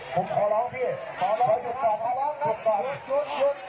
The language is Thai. ผมขอร้องพี่ขอร้องขอร้องครับหยุดหยุดหยุด